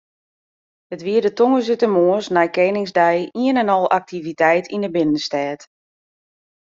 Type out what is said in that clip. It wie de tongersdeitemoarns nei Keningsdei ien en al aktiviteit yn de binnenstêd.